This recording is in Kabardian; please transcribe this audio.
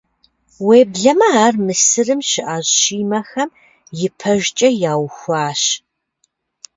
Уеблэмэ ар Мысырым щыӀэ Щимэхэм ипэжкӀэ яухуащ.